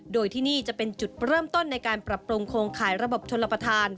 โดยที่นี่จะเป็นจุดเริ่มต้นในการปรับปรุงโครงข่ายระบบชนรับประทาน